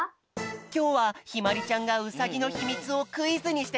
きょうはひまりちゃんがウサギのひみつをクイズにしてくれたよ。